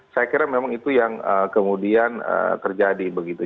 saya kira memang itu yang kemudian terjadi begitu